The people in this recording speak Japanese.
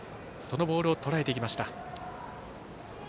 そのボールをとらえていきました。